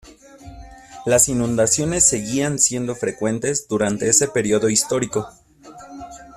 Las inundaciones seguían siendo frecuentes durante ese período histórico.